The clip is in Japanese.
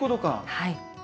はい。